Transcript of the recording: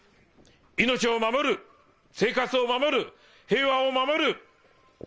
命を守る、生活を守る、平和を守る。